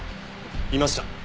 いました。